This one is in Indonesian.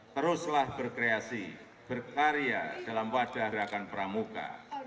teruslah berkreasi berkarya dalam wadah gerakan pramuka